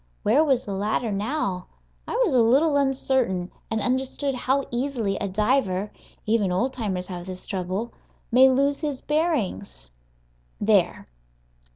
Where was the ladder now? I was a little uncertain, and understood how easily a diver (even old timers have this trouble) may lose his bearings. There!